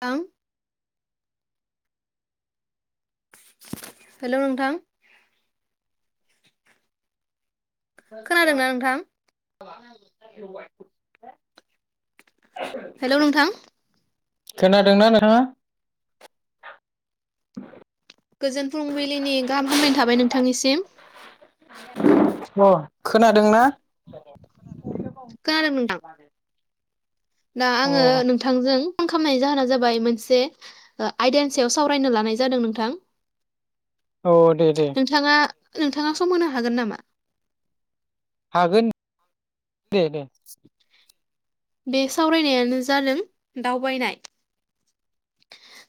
थां हेल' नोंथां खोनादोंना नोंथां [unintelligible] हेल' नोंथां खोनादोंना नोंथाङा थांनिसिम अ खोनादोंना खोनादों नोंथां दा आङो अ नोंथांजों फन खालामनायनायनि जाहोना जाबाय मोनसे आयदानि सायाव सावरायनो लानाय जादों नोंथां औ दे दे नोंथाङा नोंथाङा सम होनो हागोन नामा हागोन दे दे बे सावरायनायानो जादों दावबायनाय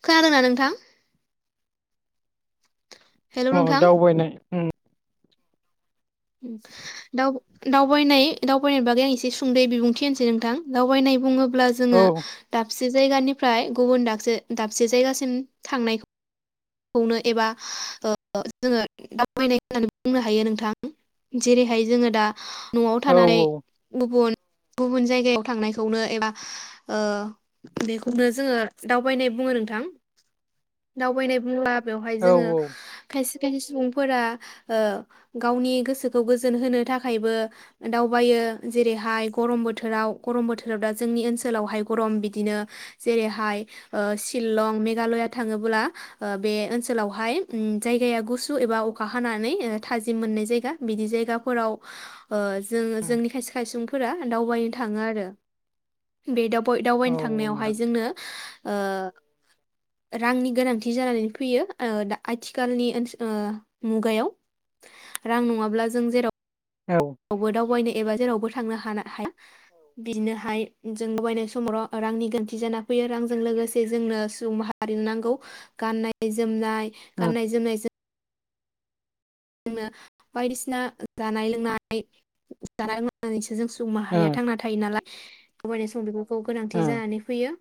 खोनादों ना नोंथां हेलौ अ नोंथां दावबायनाय उम दाव दावबायनाय दावबायनाय बागै आं एसे सुंदै बिबुंथि होनसै नोंथां दावबायनाय बुङोब्ला अब्ला औ जोङो दाब दाबसे जायगानिफ्राय गुबुन दा दाबसे जायगासिम थांनायखौ खौनो एबा जोङो दावबायनाय होननानै बुंनो हायो नोंथां जेरैहाय जोङो दा न'आव औ थानानै गुबुन गुबुन जायगायाव थांनायखौनो एबा ओ बेखौनो जोङो दावबायनाय बुङो नोंथां दावबायनाय उम बेवहाय औ जोङो औ खायसे खायसे सुबुंफोरा गावनि गोसोखौ गोजोन होनो थाखायबो दावबायो जेरैहाय गरम बोथोराव गरम बोथोराव दा जोंनि ओनसोलावहाय गरम बिदिनो जेरैहाय ओ सिलं मेघालया थाङोब्ला ओ बे ओनसोलावहाय जायगाया गुसु एबा अखा हानानै थाजिम मोननाय जायगा बिदि जायगाफोराव जो उम जोंनि खायसे खाय सुबुंफोरा दावबायनो थाङो आरो बे औ दावबायनो थांनायावहाय नोंथां जोंनो ओ रांनि गोनांथि जानानै फैयो ओ दा आथिखालनि ओनसो‌ ओ मुगायाव रां नङाब्ला जों जेरावखि औ आवबो दावबायनो एबा जेरावबो थांनो हाना हाय बिनो हाय जों दावबायनाय समावल रांनि गोरोन्थि जाना फैयो रांजों लोगोसे जोंनो सुबुं माहारि नांगौ गाननाय जोमनाय उम गाननाय जोमनायजो जोंनो बायदिसिना जानाय लोंनाय जानाय लोंनानैसो जों सु बुं माहारिया उम थांना थायो नालाय दावबायनाय सम बिखौ खौ गोनांथि उम जानानै फैयो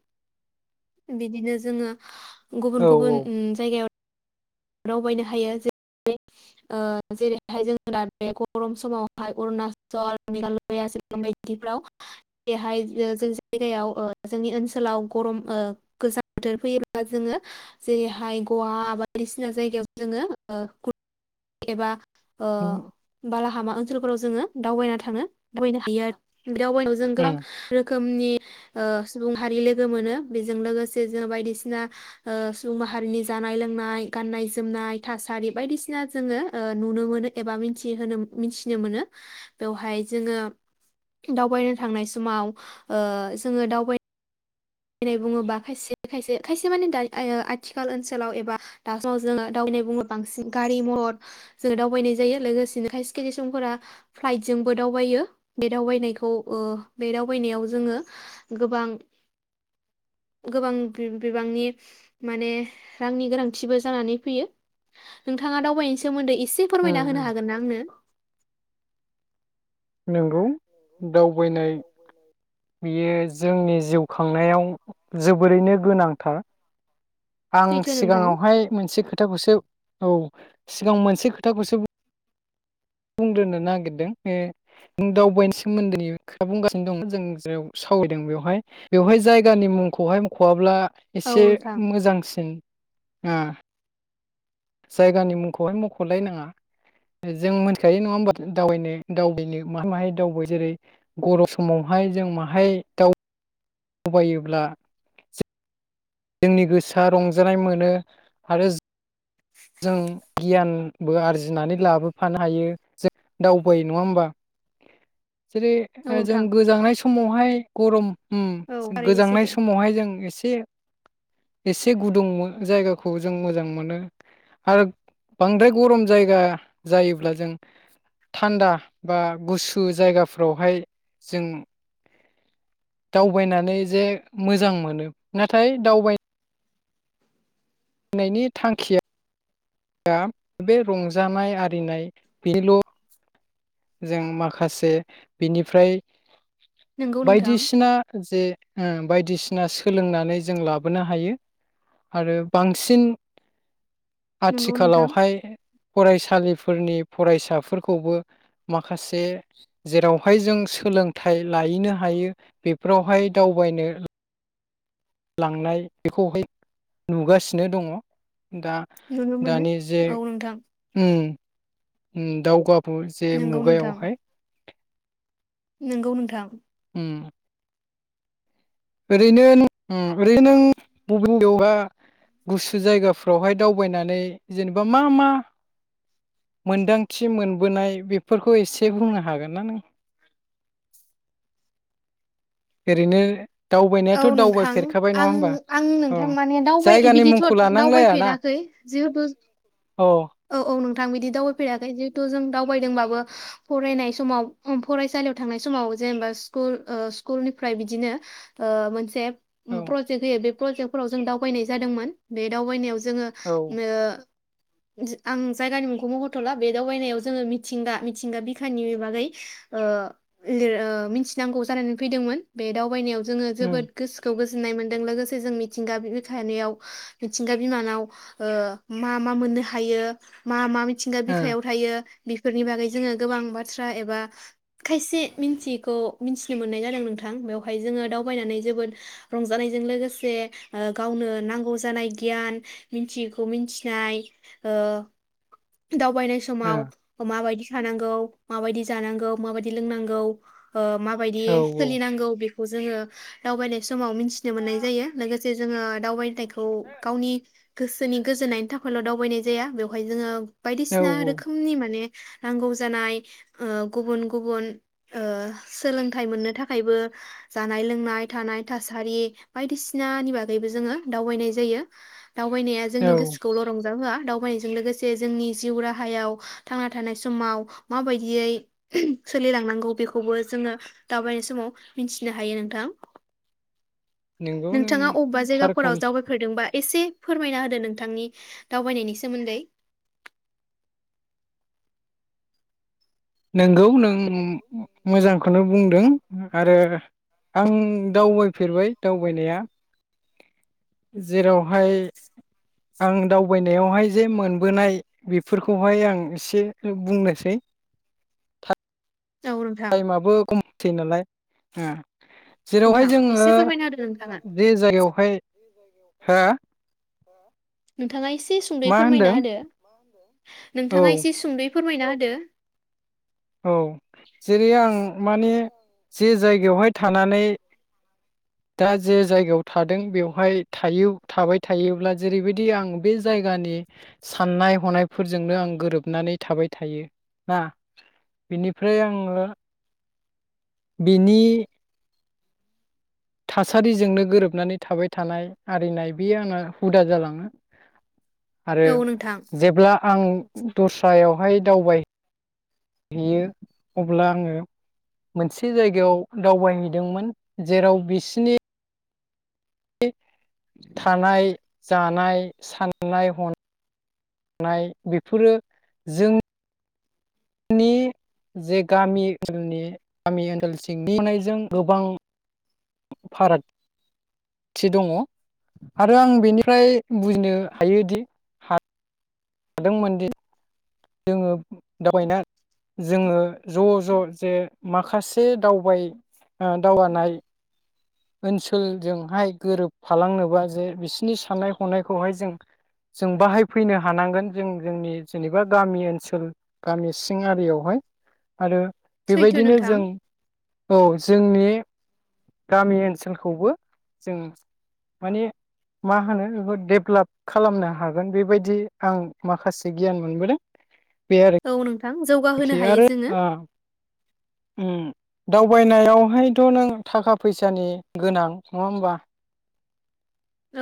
बिदिनो जोङो औ गुबुन गुबुन उम जायगायाव दाव बायनो हायो जेरै जेरैहाय जोंङो दा बे गरम समावहाय दावबायनो हायो जेरै जेरैहाय जोओ दा‌ बे गर्म समाव हाय अरुणाचल मेघालया सिलं बायदिफ्राव जेरैहाय जों जायगायाव जोंनि ओनसोलाव गरम ओ गोजां बोथोर फैयोब्ला जोङो जेरैहाय गवा आबाद बायदिसिना जायगायाव जोङो गुद एबा ओ उम बाला हामा ओनसोलफोराव जोङो दावबायना थांनो दावबायनो हायो आरो बे दावबायनायाव जों उम गोबां रोखोम रोखोमनि ओ सुबुं हारि लोगो मोनो बेजों लोगोसे जोङो बायदिसिना ओ सुबुं माहारिनि जानाय लोंनाय गाननाय जोमनाय थासारि बायदिसिना जोङो नुनो मोनो एबा मोनथिहोनो मिथिनो मोनो बेवहाय जोङो दावबायनो थांनाय समाव ओ जोङो दावबाय दावनाय बुङोबा खायसे खायसे खायसे माने द आथिखाल ओनसोलाव एबा दा समाव जोङो दावबायनाय बुङोबो बांसिन गारि मथर जो दावबायनाय जायो लोगोसेनो खायसे खायसे सुबुंफोरा फ्लाइटजोंबो दावबायो बे दावबायनायखौ ओ बे दावबायनायाव जोङो गोबां गोबां बिबांनि माने रांनि गोनांथिबो जानानै फैयो नोंथाङा दावबायनायनि सोमोन्दै इसे एसे उम फोरमायना होनो उम हागोनना आंनो नंगौ दावबायनाय बेयो जोंनि जिउ खांनायाव जोबोरैनो गोनांथार आं सैथो नोंथां सिगाङावहाय मोनसे खोथाखौसो औ सिगां मोनसे खोथाखौसो बु बुंग्रोनो नागिरदों ए नों दावबायनाय सोमोन्दै खोथा बुंगासिनो दङ जों जेराव सावरायदों बेवहाय बेवहाय जायगानि मुंखौहाय मखआब्ला औ एसे नोंथां मोजांसिन। आ जायगानि मुंखौहाय मखलायनाङा जों मोनथिखायो नङा होमबा दावबायनो दावबायनो माहाय माहाय दावबायो जेरै गरम समावहाय जों माहाय दाव दावबायोब्ला जोंनि गोसोआ रंजानाय मोनो आरो जों गियान बो आरजिनानै लाबोफानो हायो जों दावबायो नङा होमबा। जेरै औ जों नोंथां गोजांनाय समावहाय गरम ओम औ थारैनो गोजांनाय सैथो समावहाय जों एसे एसे गुदुं जायगाखौ जों मोजां मोनो आरो बांद्राय गरम जायगा जायोब्ला जों थान्दा बा गुसु जायगाफ्रावहाय जों दावबायनानै जे मोजां मोनो नाथाय दावबाय नायनि थांखिया दा बे रंजानाय आरिनाय बेनिल' जों माखासे बिनिफ्राय नंगौ नोंथां बायदिसिना जे ओ बायदिसिना सोलोंनानै जों लाबोनो हायो आरो बांसिन नंगौ नोंथां आथिखालावहाय फरायसालिफोरनि फरायसाफोरखौबो माखासे जेरावहाय जों सोलोंथाइ लायैनो हायो बेफोरावहाय दावबायनो लांनाय बेखौहाय नुगासिनो दङ। दा नुनो मोनो दानि जे औ नोंथां उम ओम दाउगा फु जे नंगौ मुगायावहाय। नंगौ नोंथां। उम ओरैनो ओम नो ओरैनो नों बबेबयावबा गुसु जायगाफ्रावहाय दावबायनानै जेनेबा मा मा मोनदांथि मोनबोनाय बेफोरखौ एसे बुंनो हागोन ना नों? एरिनो औ नोंथां आं आं अ नोंथां माने दावबाय जायगानि बिदिथ' मुंखौ लानांलायाना दावबायफेराखै जिहेथु औ औ औ नोंथां बिदि दावबायफेराखै जिहेथु जों दावबायदोंबाबो फरायनाय समाव फरायसालियाव थांनाय समाव जेनेबा स्कुल स्कुलनिफ्राय बिदिनो ओ मोनसे औ प्रजेग बे प्रजेक्टफोराव जों दावबायनाय जादोंमोन बे दावबायनायाव ज औ जोङोओ आं जायगानि मुंखौ महथ'ला बे दावबायनायाव जोङो मिथिंगा मिथिंगा बिखानि बागै ओ लिर मिथिनांगौ जानानै फैदोंमोन बे दावबायनायाव जोङो उम जोबोद गोसोखौ गोस गोजोननाय मोनदों लोगोसे जों मिथिंगा बिखानियाव मिथिंगा बिमानाव ओ मा मा मोननो हा हायो मा मा? मिथिंगा ओ बिखायाव थायो। बेफोरनि बागै जोङो गोबां बाथ्रा एबा खायसे मिथियैखौ मिथिनो मोननाय जादों नोंथां बेवहाय जोङो दावबायनानै जोबोद रंजानायजों लोगोसे ओ गावनो नांगौ जानाय गियान मिथियैखौ मिथिनाय। हो दावबायनाय ओ समाव माबायदि थानांगौ माबायदि जानांगौ माबायदि लोंनांगौ माबायदि औ सोलिनांगौ खौ जोङो दावबायनाय समाव मोनथिनो मोननाय जायो लोगोसे जोङो दावबाय अ' गावनि गोसोनि गोजोननायनि थाखायल' दावबायनाय जाया बेवहाय जोङो औ बायदिसिना रोखोमनि माने नांगौ जानाय ओ गुबुन गुबुन ओ सोलोंथाइ मोननो थाखायबो जानाय लोंनाय थानाय थासारि बायदिसिनानि बागैबो जोङो दावबायनाय जायो। दावबायनाया जोंनि औ गोसोखौल' रंजा होआ। नायजों लोगोसे जोंनि जिउ राहायाव थांना थानाय समाव मा बायदियै सोलिलांनांगौ बेखौबो जोङो दावबायनाय समाव मिथिनो हायो नोंथां। नोंगौ नों नोंथाङा अबेबा थारखौ जायगाफोराव जावबायफेरदों बाय एसे फोरमायना होदो नोंथांनि दावबायनायनि सोमोन्दै। नंगौ नों मोजांखौनो बुंदों आरो आं दावबायफेरबाय दावबायनाया जेरावहाय आं दावबायनायावहाय जे मोनबोनाय बेफोरखौहाय आं एसे बुंनोसै। था औ नोंथां टाइमाबो खम सै नालाय उम्म। जेरावहाय नोंथां जोङो एसे फोरमायना होदो नोंथाङा बे जायगायावहाय हो नोंथाङा सुंदै फोरमायना होदो औ नोंथाङा एसे सुंदयै फोरमायना होदो। औ जेरै आं माने जे जायगायावहाय थानानै दा जे जायगायाव थादों बेवहाय थायो थाबाय थायोब्ला जेरैबायदि आं बे जायगानि साननाय हनायफोरजोंनो आं गोरोबनानै थाबाय थायो ना। बिनिफ्राय आंङो बिनि थासारिजोंनो गोरोबनानै थाबाय थानाय आरिनाय बेयो आंना हुदा जालाङो। आरो औ नोंथां जेब्ला आं दस्रायावहाय दावबाय हैयो अब्ला आंङो मोनसे जायगायाव दावबायहैदोंमोन जेराव बिसिनि नि थानाय जानाय साननाय हन नाय बेफोरो जों जोंनि जे गामि [inaudible] गामि ओनसोल सिंनि गनायजों गोबां फारागथि दङ आरो आं बेनिफ्राय बुजिनो हायोदि हा हादोंमोनदि जोङो दावबायना जोङो ज ज जे माखासे दावबाय ओ दावगानाय ओनसोलजोंहाय गोरोबफालांनोबा जे बिसोरनि साननाय हनायखौहाय जों जों बाहाय फैनो हानांगोन जों जोंनि जेनेबा गामि ओनसोल गामि सिं आरियावहाय आरो सैथो बेबायदिनो नोंथां जों औ। जोंनि गामि ओनसोलखौबो जों माने मा होनो बेखौ डेभेलाब खालामनो हागोन बेबायदि आं माखासे गियान मोनबोदों। औ नों खि आरो आ उम। दावबायनायावहायथ' नों थाखा फैसानि गोनां नङा होमबा?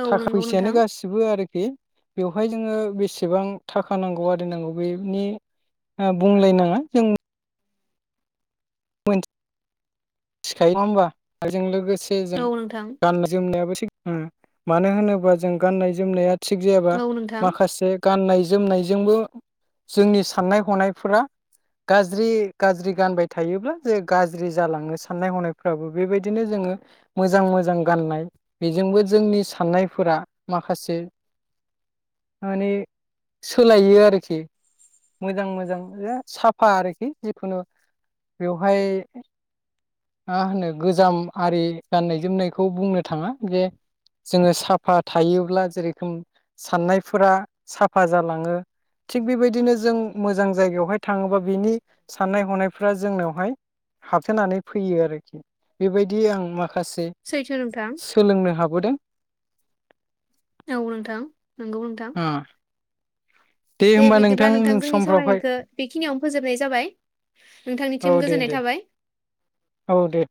औ थाखा नंगौ फैसायानो नोंथां गासिबो आरोखि बेवहाय जोङो बेसेबां थाखा नांगौ आरि नांगौ बेनि ओ बुंलायनाङा जों मिथिखायो नङा होमबा आजों लोगोसे एसे जों औ नोंथां गाननाय जोमनायाबो एसे उम मानो होनोबा जों गाननाय जोमनाया थिग जायाबा औ नोंथां माखासे गाननाय जोमनायजोंबो जोंनि साननाय हनायफोरा गाज्रि गाज्रि गानबाय था थायोब्ला जे गाज्रि जालाङो साननाय हनायफ्राबो बेबायदिनो जोङो मोजां मोजां गाननाय बेजोंबो जोंनि साननायफोरा माखासे माने सोलायो आरोखि मोजां मोजां साफा आरोखि जिखुनु बेवहाय मा होनो गोजाम आरि गाननाय जोमनायखौ बुंनो थाङा जे जोङो साफा थायोब्ला जेरोखोम साननायफोरा साफा जालाङो थिग बेबायदिनो जों मोजां जायगायावहाय थाङोबा बिनि साननाय हनायफोरा फ्रा जोंनावहाय हाबथोनानै फैयो आरोखि बेबायदि आं माख खासे सैथो नोंथां सोलोंनो हाबोदों औ नोंथां नंगौ नोंथां। दे होमबा बिदिब्ला नोंथां उन जोंनि समफ्रावहाय सावरायनायख़ बेखिनियावनो फोजोबनाय जाबाय। औ नोंथांनिथिम दे दे गोजोननाय थाबाय। औ दे।